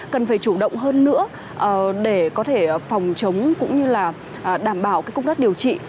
cần phải chủ động hơn nữa để có thể phòng chống cũng như là đảm bảo công tác điều trị